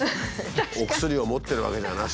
お薬を持ってるわけじゃなし。